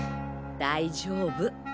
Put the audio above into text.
大丈夫！